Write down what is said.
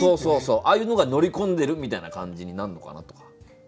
ああいうのが乗り込んでるみたいな感じになんのかなとか。